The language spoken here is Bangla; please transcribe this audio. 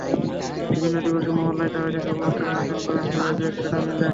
বিভিন্ন দিবসে মহল্লায় তাঁরা যেসব অনুষ্ঠানের আয়োজন করেন, তাতে বেশ সাড়া মেলে।